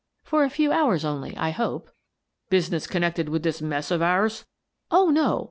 " For a few hours only, I hope." "Business connected with this mess of ours?" "Oh, no!